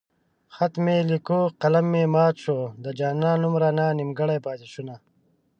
خط مې ليکو قلم مې مات شو د جانان نوم رانه نيمګړی پاتې شونه